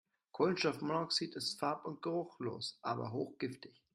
Kohlenstoffmonoxid ist farb- und geruchlos, aber hochgiftig.